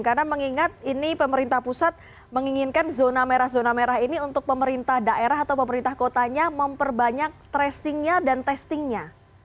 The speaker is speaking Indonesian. karena mengingat ini pemerintah pusat menginginkan zona merah zona merah ini untuk pemerintah daerah atau pemerintah kotanya memperbanyak tracing nya dan testing nya